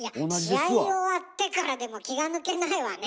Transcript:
いや試合終わってからでも気が抜けないわねえ。